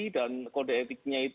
dan kode etiknya itu